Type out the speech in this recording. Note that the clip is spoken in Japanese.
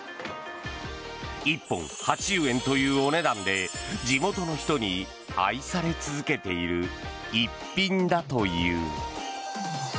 １本８０円というお値段で地元の人に愛され続けている逸品だという。